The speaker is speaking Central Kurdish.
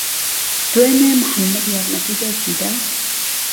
دوێنێ محەممەد یارمەتی دایکی دا؟